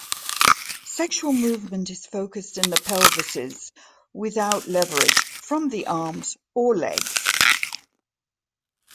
Sexual movement is focused in the pelvises, without leverage from the arms or legs.